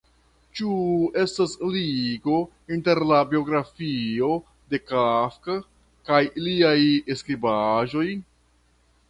Ĉu estas ligo inter la biografio de Kafka kaj liaj skribaĵoj?